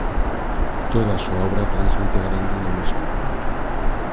Toda a súa obra transmite gran dinamismo.